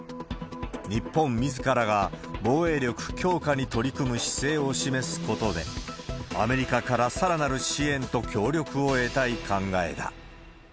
日本みずからが防衛力強化に取り組む姿勢を示すことで、アメリカからさらなる支援と協力を得たい考えだ。